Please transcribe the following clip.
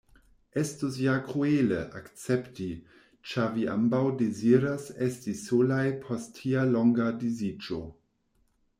Estus ja kruele akcepti, ĉar vi ambaŭ deziras esti solaj post tia longa disiĝo.